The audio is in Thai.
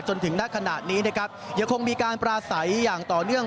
จนถึงนักขนาดนี้เนี่ยก็คงมีการปราศัยอย่างต่อเนื่อง